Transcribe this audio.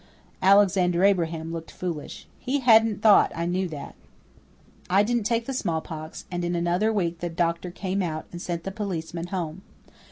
Alexander Abraham looked foolish. He hadn't thought I knew that. I didn't take the smallpox and in another week the doctor came out and sent the policeman home.